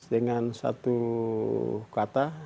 dengan satu kata